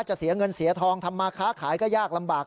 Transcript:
เสียเงินเสียทองทำมาค้าขายก็ยากลำบาก